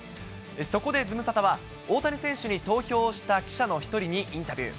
そこでズムサタは、大谷選手に投票した記者の一人にインタビュー。